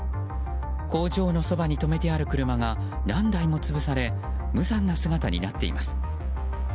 工場のそばに止めてある車が何台も潰され無残な姿になっています。